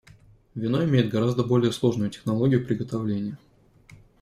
Вино имеет гораздо более сложную технологию приготовления.